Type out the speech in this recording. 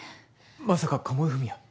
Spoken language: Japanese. まさか鴨井文哉？